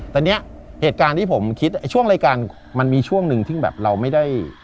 แต่เนี่ยเหตุการณ์ที่ผมคิดช่วงรายการมันมีช่วงหนึ่งที่แบบเราไม่ได้